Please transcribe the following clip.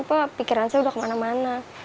wah pikiran saya udah kemana mana